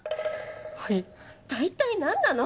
はい大体何なの？